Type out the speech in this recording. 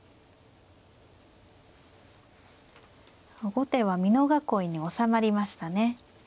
後手は美濃囲いにおさまりましたね。